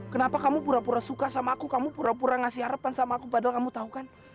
kenapa kamu pura pura suka sama aku kamu pura pura ngasih harapan sama aku padahal kamu tahu kan